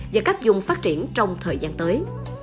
và các dùng phát triển trong thời gian tới